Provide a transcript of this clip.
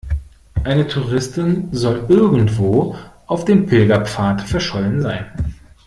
Eine Touristin soll irgendwo auf dem Pilgerpfad verschollen sein.